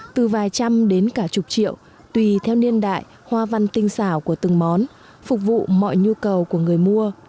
từ vài trăm đến cả chục triệu tùy theo niên đại hoa văn tinh xảo của từng món phục vụ mọi nhu cầu của người mua